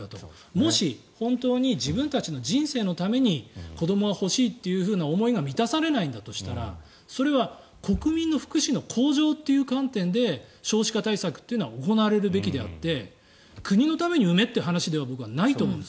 もし本当に自分たちの人生のために子どもが欲しいという思いが満たされないんだとしたらそれは国民の福祉の向上という観点で少子化対策は行われるべきであって国のために産めという話では僕はないと思うんです。